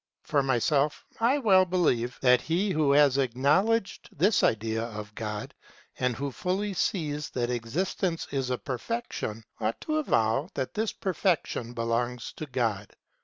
For myself I well believe that he who has acknowledged this idea of God and who fully sees that existence is a perfection, ought to avow that this perfection belongs to God.